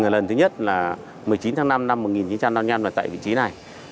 lần thứ nhất là một mươi chín tháng năm năm một nghìn chín trăm năm mươi năm ở tại vị trí này